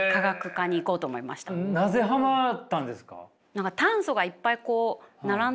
なぜハマったんですか？